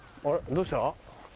どうした？